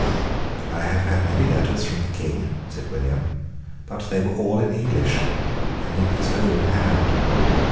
"I have had many letters from the King," said William, "but they were all in English, and in his own hand."